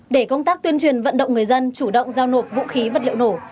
để công tác tuyên truyền vận động người dân chủ động giao nộp vũ khí vật liệu nổ